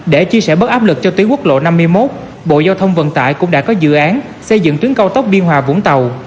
để chia sẻ bất áp lực cho tiếng quốc lộ năm mươi mốt bộ giao thông vận tải cũng đã có dự án xây dựng tuyến cao tốc biên hòa dũng tàu